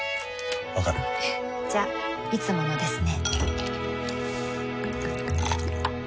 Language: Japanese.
わかる？じゃいつものですね